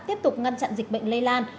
tiếp tục ngăn chặn dịch bệnh lây lan